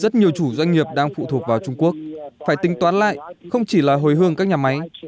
rất nhiều chủ doanh nghiệp đang phụ thuộc vào trung quốc phải tính toán lại không chỉ là hồi hương các nhà máy